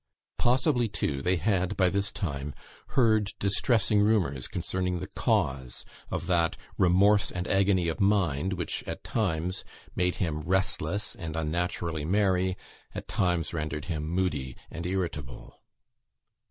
Possibly, too, they had, by this time, heard distressing rumours concerning the cause of that remorse and agony of mind, which at times made him restless and unnaturally merry, at times rendered him moody and irritable.